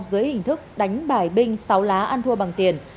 dưới hình thức đánh bải binh sáu lá ăn thua bằng tiền